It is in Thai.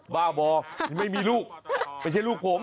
บ้าบอที่ไม่มีลูกไม่ใช่ลูกผม